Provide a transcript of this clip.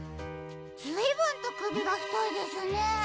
ずいぶんとくびがふといですね。